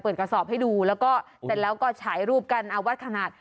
เปิดกระสอบให้ดูแต่แล้วก็ฉายรูปกันเอาวัดขนาด